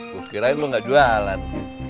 kukirain lo gak jualan